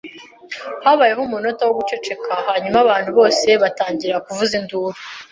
Habayeho umunota wo guceceka hanyuma abantu bose batangira kuvuza induru.